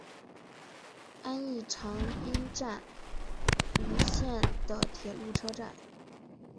安艺长滨站吴线的铁路车站。